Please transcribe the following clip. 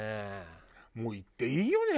もう行っていいよね？